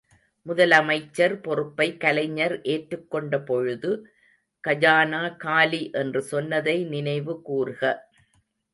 முதலமைச்சர் பொறுப்பை கலைஞர் ஏற்றுக் கொண்ட பொழுது, கஜானா காலி என்று சொன்னதை நினைவு கூர்க.